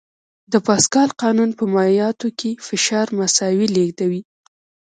د پاسکال قانون په مایعاتو کې فشار مساوي لېږدوي.